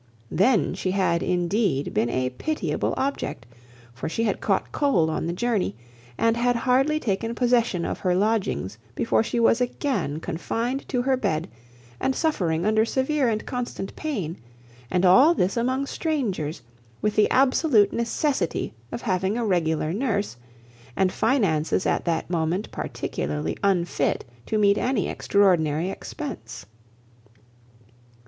Then she had, indeed, been a pitiable object; for she had caught cold on the journey, and had hardly taken possession of her lodgings before she was again confined to her bed and suffering under severe and constant pain; and all this among strangers, with the absolute necessity of having a regular nurse, and finances at that moment particularly unfit to meet any extraordinary expense.